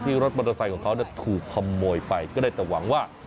รถมอเตอร์ไซค์ของเขาถูกขโมยไปก็ได้แต่หวังว่า